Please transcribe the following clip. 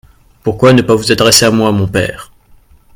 Pourquoi ne pas vous adresser à moi, mon père ?…